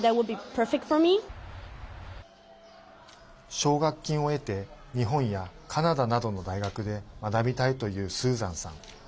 奨学金を得て日本やカナダなどの大学で学びたいというスーザンさん。